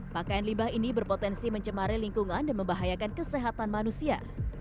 pakaian limbah ini berpotensi mencemari lingkungan dan membahayakan kesehatan manusia